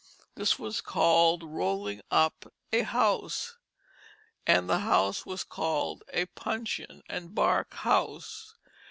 This was called rolling up a house, and the house was called a puncheon and bark house.